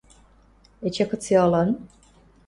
– Эче кыце ылын!